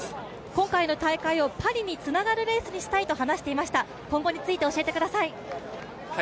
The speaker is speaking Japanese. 今回の大会をパリにつながるレースにしたいと話していました今後について、教えてください。